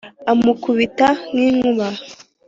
amukubita nk’inkuba,